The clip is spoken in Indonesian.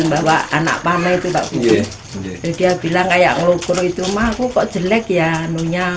membawa anak panah itu tak bisa dia bilang kayak ngelukur itu maaf kok jelek ya nunya